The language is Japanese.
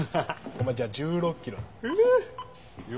お前じゃあ１６ｋｍな。